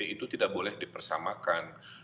itu tidak boleh dipersamakan